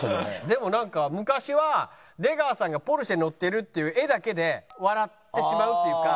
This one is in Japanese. でもなんか昔は出川さんがポルシェ乗ってるっていう画だけで笑ってしまうっていうか。